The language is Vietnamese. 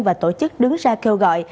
và tổ chức đứng ra kêu gọi